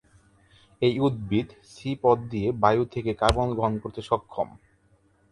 এই উদ্ভিদ সি পথ দিয়ে বায়ু থেকে কার্বন গ্রহণ করতে সক্ষম।